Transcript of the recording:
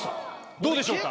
どうでしょうか？